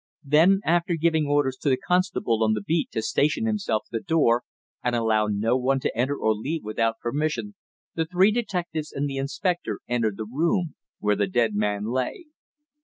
Then, after giving orders to the constable on the beat to station himself at the door and allow no one to enter or leave without permission, the three detectives and the inspector entered the room where the dead man lay.